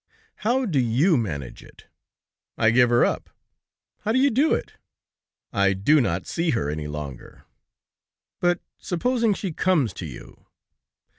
"How do you manage it?" "I give her up." "How do you do it?" "I do not see her any longer." "But supposing she comes to you?"